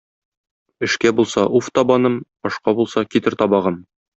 Эшкә булса — уф табаным, ашка булса — китер табагым.